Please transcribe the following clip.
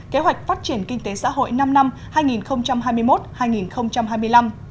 kế hoạch phát triển kinh tế xã hội năm năm hai nghìn hai mươi một hai nghìn hai mươi năm